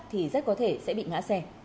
thì rất có thể sẽ bị ngã xe